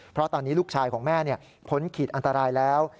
เพราะตอนนี้ลูกชายของแม่พ้นขีดอันตรายแล้ว